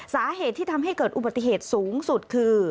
สาเหตุที่ทำให้เกิดอุบัติเหตุสูงสุดคือ